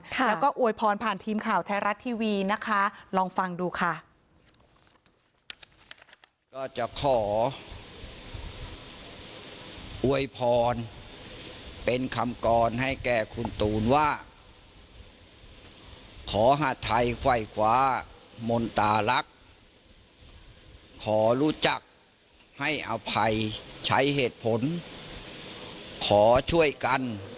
แล้วก็อวยพรผ่านทีมข่าวไทยรัฐทีวีนะคะลองฟังดูค่ะ